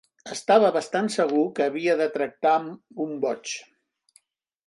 Estava bastant segur que havia de tractar amb un boig.